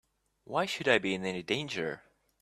Why should I be in any danger?